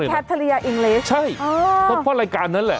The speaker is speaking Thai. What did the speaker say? พี่แคททะเลียอิงเลสต์อ๋ออ๋อใช่เพราะรายการนั้นแหละ